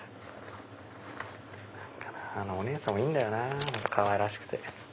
あのお姉さんもいいんだよなぁかわいらしくて。